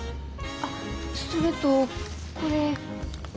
あっそれとこれ。